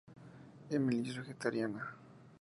Emily es vegetariana.